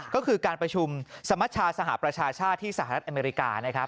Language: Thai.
ก็คือการประชุมสมชาสหประชาชาติที่สหรัฐอเมริกานะครับ